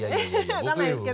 分かんないですけど。